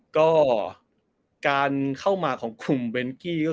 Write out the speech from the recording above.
ก็การเข้ามาของกลุ่มเบนกี้ก็คือ